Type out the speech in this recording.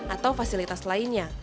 atau fasilitas lainnya